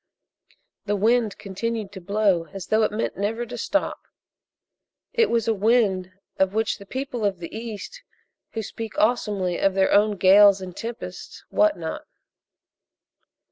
The wind continued to blow as though it meant never to stop. It was a wind of which the people of the East who speak awesomely of their own "gales" and "tempest" wot not.